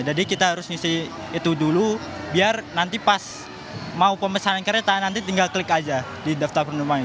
jadi kita harus isi itu dulu biar nanti pas mau pemesan kereta nanti tinggal klik aja di daftar penumpangnya